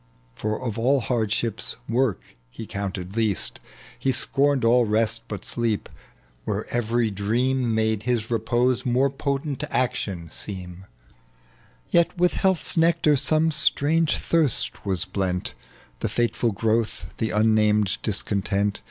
For of all hardship, work he counted least ; He scorned all rest but sleep, where every dream Made his repose more potent action seem. Yet with health's nectar some strange thirst was blent. The fateful growth, the unnamed discontent, .tec bv Google THE LEGEND OP JXTBAL.